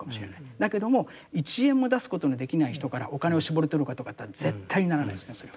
だけども１円も出すことのできない人からお金を搾り取るかとかって絶対にならないですねそれは。